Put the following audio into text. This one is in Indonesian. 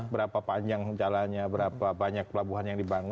berapa panjang jalannya berapa banyak pelabuhan yang dibangun